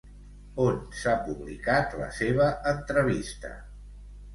On s'ha publicat la seva entrevista?